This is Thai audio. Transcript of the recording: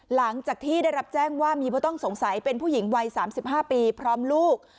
หลังจากที่ได้รับแจ้งว่ามีผู้ต้องสงสัยเป็นผู้หญิงวัย๓๕ปีพร้อมลูก